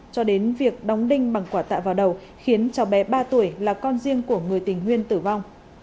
cho đến việc đóng đinh bằng quả tạ vào đầu khiến cháu bé ba tuổi là con riêng của người tình nguyên tử vong